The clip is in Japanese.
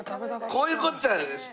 こういうこっちゃ！